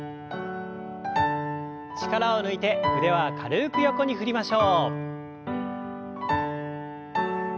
力を抜いて腕は軽く横に振りましょう。